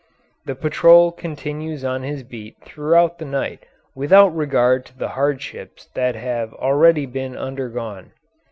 The patrol continues on his beat throughout the night without regard to the hardships that have already been undergone.